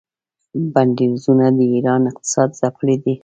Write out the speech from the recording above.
بندیزونو د ایران اقتصاد ځپلی دی.